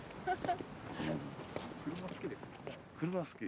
車好き。